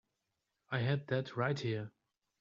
I had that right here.